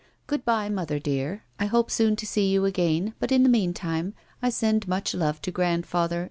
" Goodbye, mother dear ; I hope soon to see you again, but in the meantime, I send much love to grandfather.